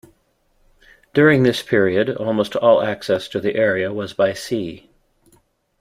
During this period almost all access to the area was by sea.